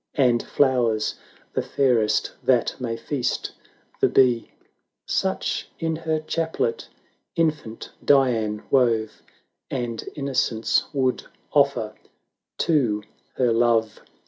And flowers the fairest that may feast the bee; Such in her chaplet infant Dian wove. And Innocence would offer to her love.